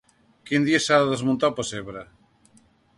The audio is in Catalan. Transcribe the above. Quin dia s’ha de desmuntar el pessebre?